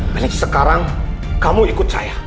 pak riki sekarang kamu ikut saya